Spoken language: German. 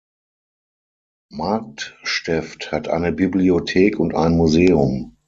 Marktsteft hat eine Bibliothek und ein Museum.